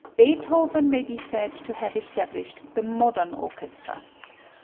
Beethoven may be said to have established the modern orchestra.